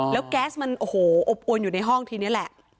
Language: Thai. แล้วแก๊สมันโอ้โหอบอวนอยู่ในห้องทีนี้แหละ